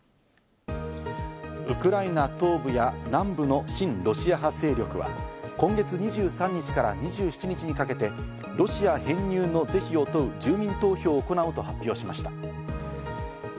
ウクライナ東部や南部の親ロシア派勢力は、今月２３日から２７日にかけてロシア編入の是非を問う住民投票を行うと発表しました。